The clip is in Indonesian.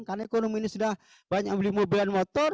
karena ekonomi ini sudah banyak beli mobil dan motor